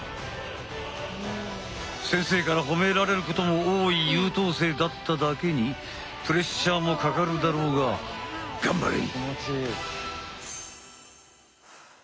先生から褒められることも多い優等生だっただけにプレッシャーもかかるだろうが頑張れ！